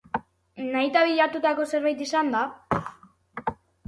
Nahita bilatutako zerbait izan da?